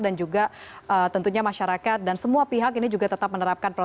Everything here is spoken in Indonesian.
dan juga tentunya masyarakat dan semua pihak ini juga tetap menerapkan